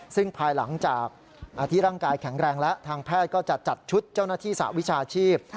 ซึ่งภายหลังจากที่ร่างกายแข็งแรงแล้วทางแพทย์ก็จะจัดชุดเจ้าหน้าที่สหวิชาชีพ